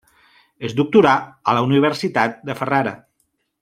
Es doctorà a la Universitat de Ferrara.